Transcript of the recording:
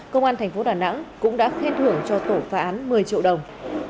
công an tp đà nẵng cũng đã khen thưởng cho tổ phá án một mươi triệu đồng